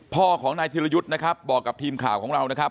พ่อของนายธิรยุทธ์นะครับบอกกับทีมข่าวของเรานะครับ